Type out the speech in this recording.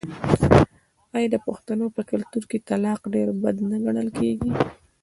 آیا د پښتنو په کلتور کې طلاق ډیر بد نه ګڼل کیږي؟